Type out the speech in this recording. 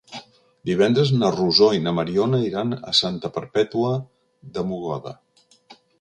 Divendres na Rosó i na Mariona iran a Santa Perpètua de Mogoda.